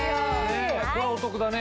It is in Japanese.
これはお得だね。